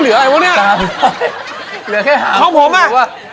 เหลือแค่๕๐๐บาท